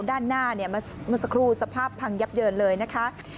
ด้านหน้ามันสะครูสภาพพังยับเยินเลยนะครับ